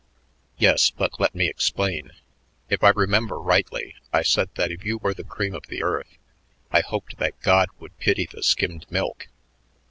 "Yes but let me explain. If I remember rightly, I said that if you were the cream of the earth, I hoped that God would pity the skimmed milk.